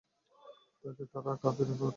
তারা কাফের, তাদের নৈকট্য কতোই না দূরবর্তী।